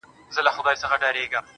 • دا ارزښتمن شى په بټوه كي ساته.